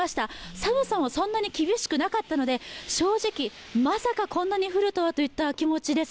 寒さもそんなに厳しくなかったので、正直、まさかこんなに降るとはといった気持ちです。